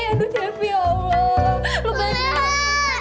aduh cepi ya allah